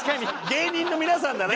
芸人の皆さんがね。